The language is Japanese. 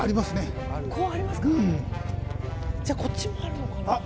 じゃあ、こっちもあるのかな。